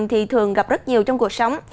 thì thường gặp rất nhiều trong cuộc sống